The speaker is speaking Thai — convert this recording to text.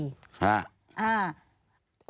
ครับ